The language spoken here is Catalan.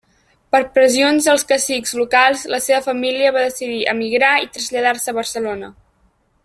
Per pressions dels cacics locals, la seva família va decidir emigrar i traslladar-se a Barcelona.